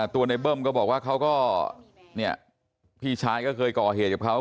ตัวในเบิ้มก็บอกว่าเขาก็เนี่ยพี่ชายก็เคยก่อเหตุกับเขา